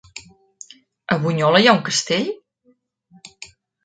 A Bunyola hi ha un castell?